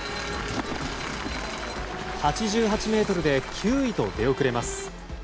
８８ｍで９位と出遅れます。